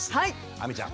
亜美ちゃん。